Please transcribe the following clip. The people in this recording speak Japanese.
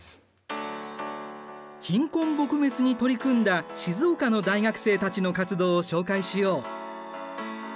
貧困撲滅に取り組んだ静岡の大学生たちの活動を紹介しよう。